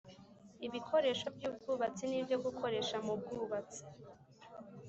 ibikoresho by ubwubatsi nibyo gukoresha mubwubatsi